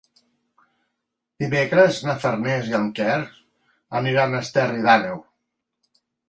Dimecres na Farners i en Quer aniran a Esterri d'Àneu.